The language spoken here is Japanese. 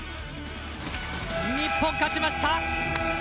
日本、勝ちました！